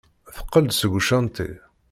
Teqqel-d seg ucanṭi.